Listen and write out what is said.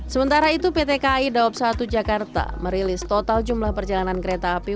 sementara itu pt kai daob satu jakarta merilis total jumlah perjalanan kereta api